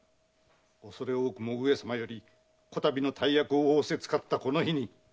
おそれ多くも上様より此度の大役を仰せつかった日に。